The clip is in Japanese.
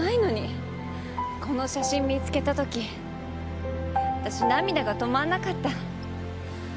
この写真見つけた時私涙が止まんなかった。